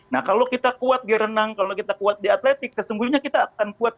nah kalau kita kuat di renang kalau kita kuat di atletik sesungguhnya kita akan kuat juga dalam perburu buru